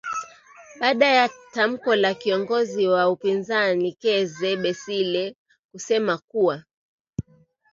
baada ya tamko la kiongozi wa upinzani keze besiie kusema kuwa